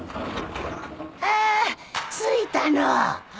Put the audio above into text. ああ着いたの。